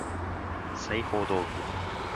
裁縫道具